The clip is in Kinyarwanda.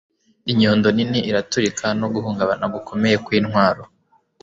Inyundo nini iraturika no guhungabana gukomeye kwintwaro